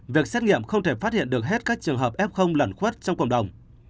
việc xét nghiệm không thể phát hiện được hết các trường hợp ép không lẩn khuất trong cộng đồng